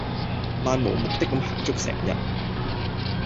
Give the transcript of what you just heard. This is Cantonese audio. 漫無目的咁行足成日